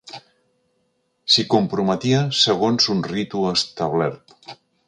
S'hi comprometia segons un ritu establert.